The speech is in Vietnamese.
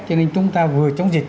cho nên chúng ta vừa chống dịch